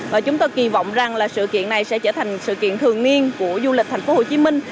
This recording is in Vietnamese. và chúng tôi kỳ vọng rằng là sự kiện này sẽ trở thành sự kiện thường niên của du lịch thành phố hồ chí minh